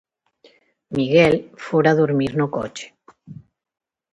Miguel fora durmir no coche.